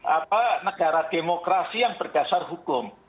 apa negara demokrasi yang berdasar hukum